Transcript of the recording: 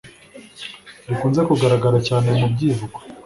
rikunze kugaragara cyane mu byivugo